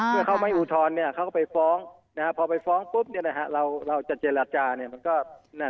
เมื่อเขาไม่อุทธรณ์เขาก็ไปฟ้องพอไปฟ้องปุ๊บเราจะเจรจา